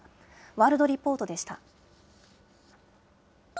ワールドリポートでした。